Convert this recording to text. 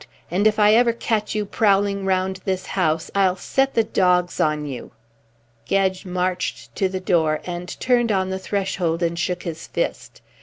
And if I ever catch you prowling round this house, I'll set the dogs on you." Gedge marched to the door and turned on the threshold and shook his fist.